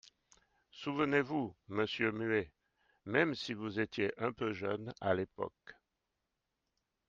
Souvenez-vous, monsieur Muet, même si vous étiez un peu jeune, à l’époque.